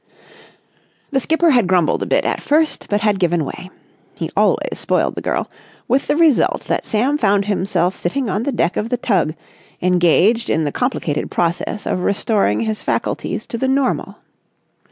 The skipper had grumbled a bit at first but had given way—he always spoiled the girl—with the result that Sam found himself sitting on the deck of the tug, engaged in the complicated process of restoring his faculties to the normal.